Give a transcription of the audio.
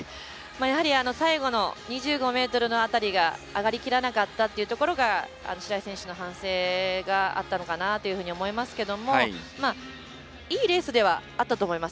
やはり最後の２５ｍの辺りが上がりきらなかったっていうところが白井選手の反省があったのかなというふうに思いますけどもいいレースではあったと思います。